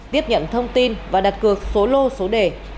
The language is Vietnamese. tiếp nhận thông tin và đặt cược số lô số đề